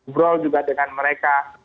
berbual juga dengan mereka